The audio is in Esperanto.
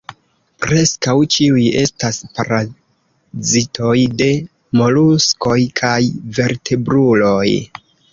Preskaŭ ĉiuj estas parazitoj de moluskoj kaj vertebruloj.